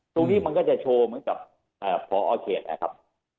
ตรงนี้มันก็จะโชว์เหมือนกับพอเกษนะครับ